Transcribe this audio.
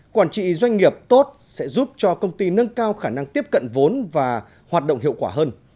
quản trị doanh nghiệp tốt sẽ giúp cho công ty nâng cao khả năng tiếp cận vốn và hoạt động hiệu quả hơn